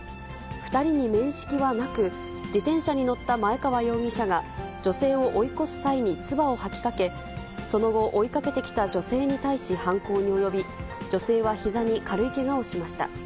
２人に面識はなく、自転車に乗った前川容疑者が女性を追い越す際に唾を吐きかけ、その後、追いかけてきた女性に対し、犯行に及び、女性はひざに軽いけがをしました。